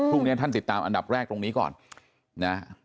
พรุ่งนี้ท่านติดตามอันดับแรกตรงนี้ก่อนนะ